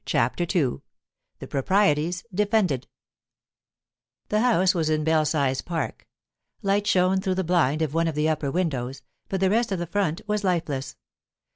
CHAPTER II THE PROPRIETIES DEFENDED The house was in Belsize Park. Light shone through the blind of one of the upper windows, but the rest of the front was lifeless.